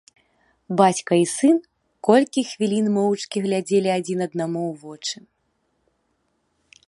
Бацька і сын колькі хвілін моўчкі глядзелі адзін аднаму ў вочы.